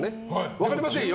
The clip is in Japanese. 分かりませんよ